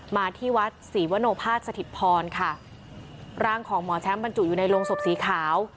มาที่วัดศรีวโนภาษสถิตพรค่ะร่างของหมอแชมป์บรรจุอยู่ในโรงศพสีขาว